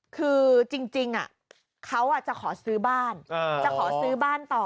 คือจริงเขาจะขอซื้อบ้านจะขอซื้อบ้านต่อ